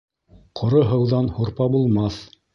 Ҡоро һыуҙан һурпа булмаҫ.